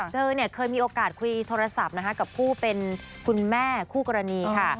เธอเนี่ยเคยมีโอกาสคุยโทรศัพท์นะคะกับผู้เป็นคุณแม่คู่กรณีค่ะ